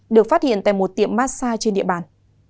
được phát hiện tại một tiệm massage trên địa bàn